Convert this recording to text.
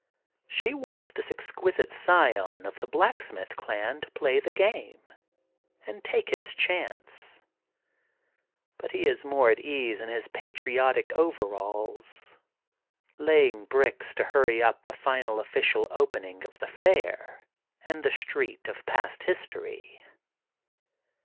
She wants this exquisite scion of the Black smith clan to play the game, and take his chance. But he is more at ease in his patriotic overalls, laying bricks to hurry up the final official opening of the Fair, and the Street of Past History.